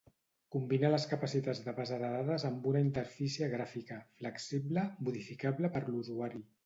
Combina les capacitats de base de dades amb una interfície gràfica, flexible, modificable per l'usuari.